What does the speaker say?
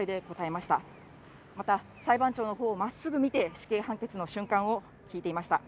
また、裁判長のほうをまっすぐ見て死刑判決の瞬間を聞いていました。